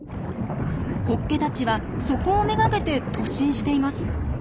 ホッケたちはそこを目がけて突進しています。